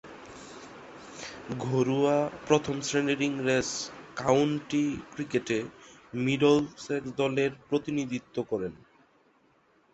ঘরোয়া প্রথম-শ্রেণীর ইংরেজ কাউন্টি ক্রিকেটে মিডলসেক্স দলের প্রতিনিধিত্ব করেন।